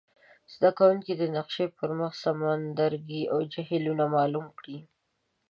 زده کوونکي دې د نقشي پر مخ سمندرګي او جهیلونه معلوم کړي.